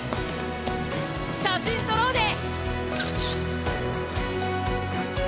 写真撮ろうで！